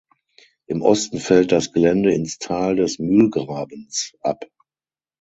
Im Osten fällt das Gelände ins Tal des Mühlgrabens ab.